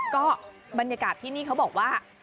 ก็บรรยากาศที่นี่เขาบอกว่า